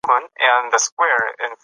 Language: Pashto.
غنایي اشعار په ښه غږ ویل کېږي.